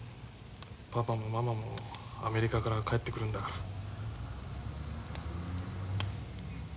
パパもママもアメリカから帰ってくるんだから。